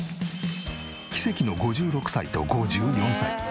奇跡の５６歳と５４歳。